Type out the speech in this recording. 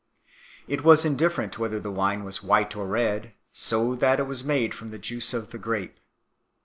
It was indifferent whether the wine was white or red, so that it was made from the juice of the grape 2